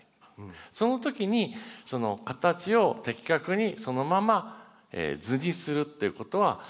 そのときにその形を的確にそのまま図にするっていうことはとても大事なんですね。